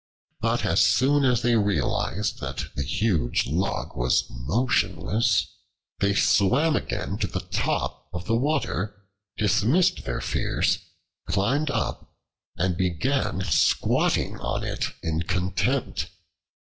But as soon as they realized that the huge log was motionless, they swam again to the top of the water, dismissed their fears, climbed up, and began squatting on it in contempt.